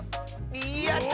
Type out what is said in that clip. やった！